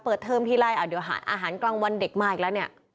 เทอมทีไรอ่ะเดี๋ยวหาอาหารกลางวันเด็กมาอีกแล้วเนี่ย